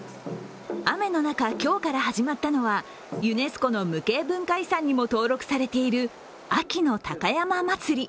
雨の中、今日から始まったのはユネスコの無形文化遺産にも登録されている秋の高山祭。